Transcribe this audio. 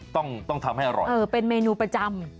ต้องทำให้อร่อยเป็นเมนูประจำ